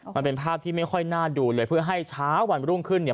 มันเป็นภาพที่ไม่ค่อยน่าดูเลยเพื่อให้เช้าวันรุ่งขึ้นเนี่ย